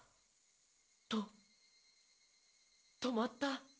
と止まった。